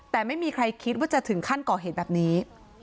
แต่ไม่มีใครคิดว่าจะถึงขั้นก่อเหตุแบบนี้